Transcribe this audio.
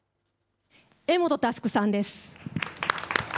柄本佑さんです。